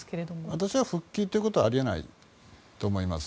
私は復帰ということはあり得ないと思います。